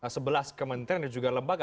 sebelas kementerian dan juga lembaga